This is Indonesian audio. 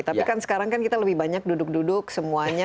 tapi kan sekarang kan kita lebih banyak duduk duduk semuanya